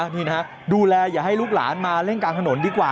นี่นะฮะดูแลอย่าให้ลูกหลานมาเล่นกลางถนนดีกว่า